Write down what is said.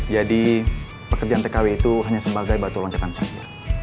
jadi pekerjaan tkw itu hanya sebagai batu loncengan saya